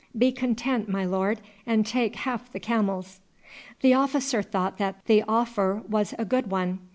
Be content, my lord, and take half the camels." The officer thought that the offer was a good one.